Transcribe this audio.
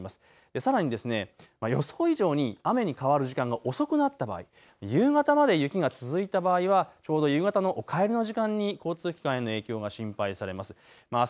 さらに予想以上に雨に変わる時間が遅くなった場合、夕方まで雪が続いた場合はちょうど夕方のお帰りの時間に交通機関への影響が心配されます。